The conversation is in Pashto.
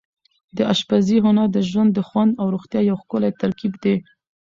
د اشپزۍ هنر د ژوند د خوند او روغتیا یو ښکلی ترکیب دی.